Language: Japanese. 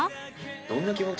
どんな気持ち？